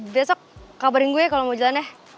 besok kabarin gue kalo mau jalan ya